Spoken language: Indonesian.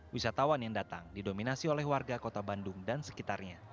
wisatawan yang datang didominasi oleh warga kota bandung dan sekitarnya